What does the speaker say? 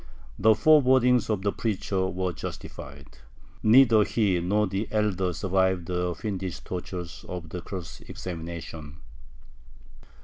The forebodings of the preacher were justified. Neither he nor the elder survived the fiendish tortures of the cross examination.